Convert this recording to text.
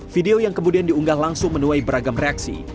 video yang kemudian diunggah langsung menuai beragam reaksi